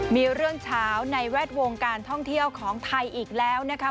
มีเรื่องเช้าในแวดวงการท่องเที่ยวของไทยอีกแล้วนะคะ